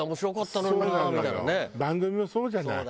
番組もそうじゃない。